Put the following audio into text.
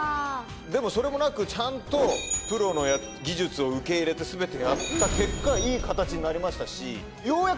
でもそれもなくちゃんとプロの技術を受け入れて全てやった結果いい形になりましたし。